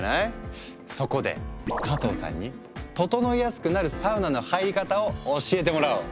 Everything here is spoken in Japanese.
そこで加藤さんにととのいやすくなるサウナの入り方を教えてもらおう。